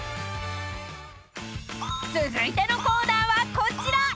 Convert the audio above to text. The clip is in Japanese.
［続いてのコーナーはこちら］